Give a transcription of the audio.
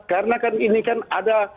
karena ini kan ada